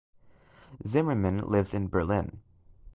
Zimmermann lives in Berlin.